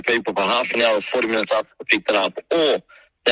kita hampir tidak menyalahkannya